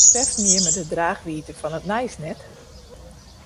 Beseften jimme de draachwiidte fan it nijs net?